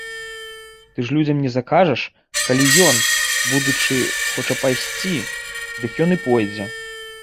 Ты ж людзям не закажаш, калі ён, будучы, хоча пайсці, дык ён і пойдзе.